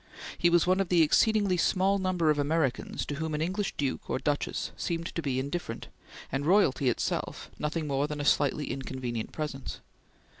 He was one of the exceedingly small number of Americans to whom an English duke or duchess seemed to be indifferent, and royalty itself nothing more than a slightly inconvenient presence.